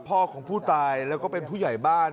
พ่อของผู้ตายแล้วก็เป็นผู้ใหญ่บ้าน